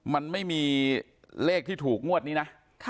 มันไม่มีเลขที่ถูกงวดนี้นะ